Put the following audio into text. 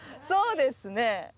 そうですね。